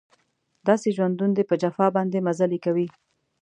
داسې ژوندون دی په جفا باندې مزلې کوي